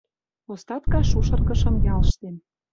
Остатка шушыргышым ялштен